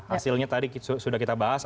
hasilnya tadi sudah kita bahas